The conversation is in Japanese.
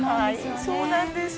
はいそうなんです。